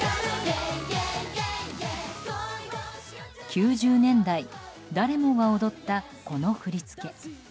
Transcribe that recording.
９０年代、誰もが踊ったこの振り付け。